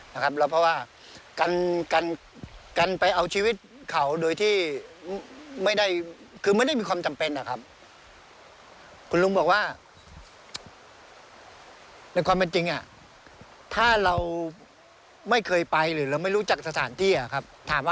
เพราะว่าการไปเอาชีวิตเขาคือไม่ได้มีความจำเป็นครับ